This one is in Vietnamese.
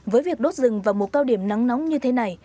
với việc đốt rừng vào mùa cao điểm nắng nóng như thế này